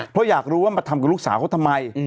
เพราะอยากรู้ว่ามาทำกับลูกสาวเขาทำไม